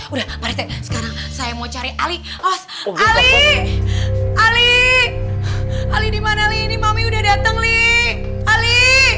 udah sekarang saya mau cari ali ali ali ali dimana ini mami udah dateng ali